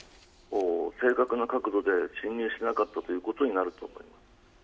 正確な角度で侵入しなかったということになると思います。